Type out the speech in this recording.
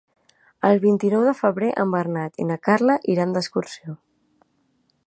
El vint-i-nou de febrer en Bernat i na Carla iran d'excursió.